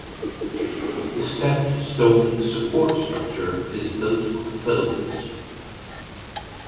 The stepped stone support structure is built of fills.